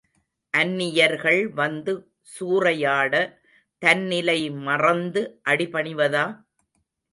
அந்நியர்கள் வந்து சூறையாட தந்நிலை மறந்து அடி பணிவதா?